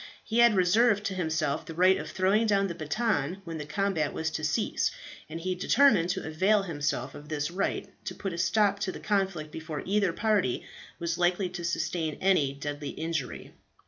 He had reserved to himself the right of throwing down the baton when the combat was to cease, and he determined to avail himself of this right, to put a stop to the conflict before either party was likely to sustain any deadly injury.